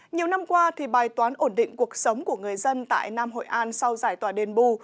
nhiều năm qua bài toán ổn định cuộc sống của người dân tại nam hội an sau giải tỏa đền bù